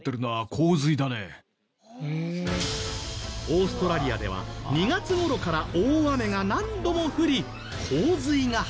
オーストラリアでは２月頃から大雨が何度も降り洪水が発生。